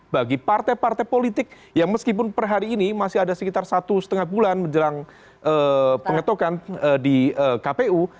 jadi partai partai politik yang meskipun per hari ini masih ada sekitar satu setengah bulan menjelang pengetokan di kpu